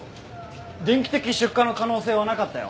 電気的出火の可能性はなかったよ。